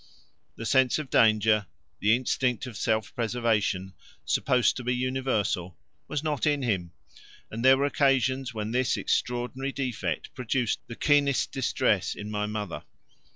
The sense of danger, the instinct of self preservation supposed to be universal, was not in him, and there were occasions when this extraordinary defect produced the keenest distress in my mother.